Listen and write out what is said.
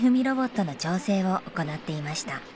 ロボットの調整を行っていました。